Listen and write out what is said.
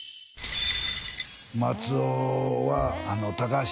松尾は高橋